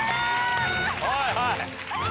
はいはい。